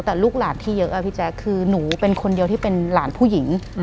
แต่ลูกหลานที่เยอะอะพี่แจ๊คคือหนูเป็นคนเดียวที่เป็นหลานผู้หญิง